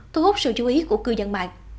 thu hút sự chú ý của cư dân mạng